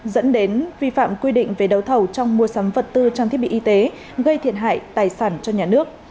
dẫn đến vi phạm quy định về đấu thầu trong mua sắm vật tư trang thiết bị y tế gây thiệt hại tài sản cho nhà nước